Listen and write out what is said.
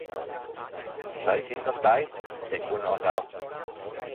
唔使錢咁抵，整碗攞走